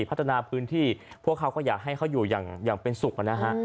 พัฒนาพื้นที่พวกเขาก็อยากให้เขาอยู่อย่างเป็นสุขนะฮะ